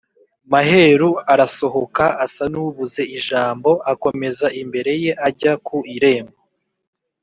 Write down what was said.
Maheru arasohokaAsa n’ubuze ijamboAkomeza imbere ye ajya ku irembo